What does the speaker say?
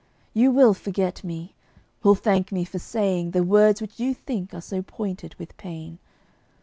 You will forget me; will thank me for saying The words which you think are so pointed with pain.